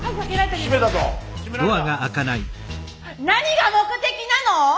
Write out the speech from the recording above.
何が目的なの！？